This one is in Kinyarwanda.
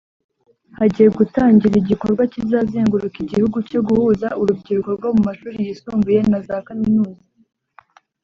Hagiye gutangira igikorwa kizazenguruka igihugu cyo guhuza urubyiruko rwo mu mashuri yisumbuye na za kaminuza